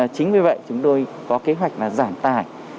chính vì vậy chúng tôi có kế hoạch giảm tài